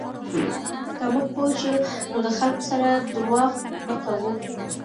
که موږ پوه شو، نو د خلکو سره درواغ نه کوو.